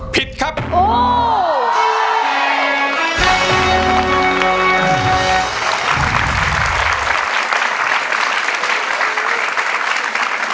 ผิดครับ